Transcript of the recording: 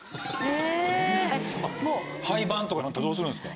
廃番とかになったらどうするんですか？